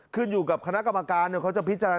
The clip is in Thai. ขึ้นอยู่กับคณกรรมการในกรุ่นก็จะพิจารณา